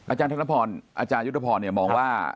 อาจารย์ทันละพรอาจารย์ยุทธพรมองว่า